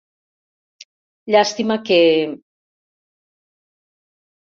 Llàstima que...